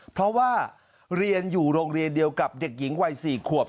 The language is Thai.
เพราะว่าเรียนอยู่โรงเรียนเดียวกับเด็กหญิงวัย๔ขวบ